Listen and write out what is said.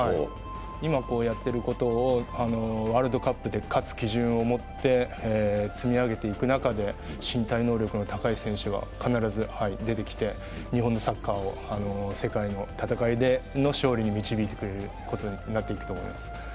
今やっていることをワールドカップで勝つ基準を持って積み上げていく中で、身体能力の高い選手は必ず出てきて、日本のサッカーを世界の戦いの勝利に導いてくれることになっていくと思います。